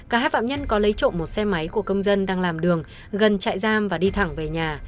cả hai phạm nhân có lấy trộm một xe máy của công dân đang làm đường gần trại giam và đi thẳng về nhà